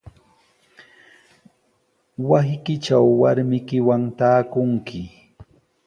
Wasiykitraw warmiykiwan taakunki.